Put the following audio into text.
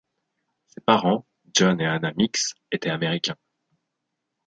Ses parents, John et Anna Meeks, étaient Américains.